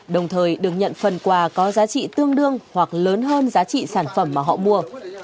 đồng thời được nhận phần quà có giá trị tương đương hoặc lớn hơn giá trị sản phẩm mà họ mua